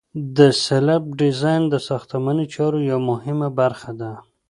د سلب ډیزاین د ساختماني چارو یوه مهمه برخه ده